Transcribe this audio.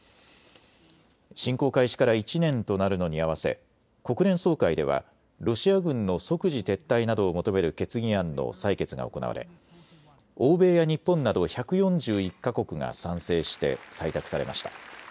侵攻開始から１年となるのに合わせ国連総会ではロシア軍の即時撤退などを求める決議案の採決が行われ欧米や日本など１４１か国が賛成して採択されました。